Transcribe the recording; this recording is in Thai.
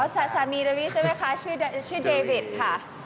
อ๋อสามีเดบบี้ใช่ไหมคะชื่อเดวิดค่ะ